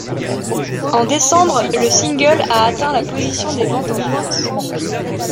En décembre le single a atteint la position des ventes en France.